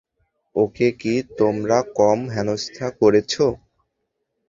ওকে কি তোমরা কম হেনস্তা করেছ।